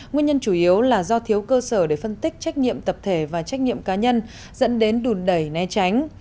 nguyên nhân chủ yếu là do thiếu cơ sở để phân tích trách nhiệm tập thể và trách nhiệm cá nhân dẫn đến đùn đẩy né tránh